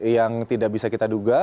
yang tidak bisa kita duga